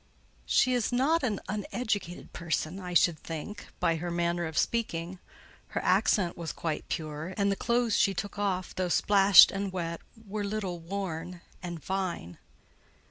"She is not an uneducated person, I should think, by her manner of speaking; her accent was quite pure; and the clothes she took off, though splashed and wet, were little worn and fine."